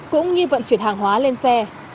cũng như vận chuyển hàng hóa lên xe